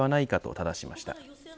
ただしました。